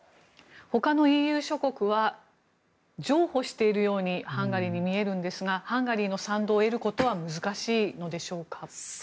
ほかのＥＵ諸国はハンガリーに譲歩しているように見えるんですがハンガリーの賛同を得ることは難しいのでしょうか。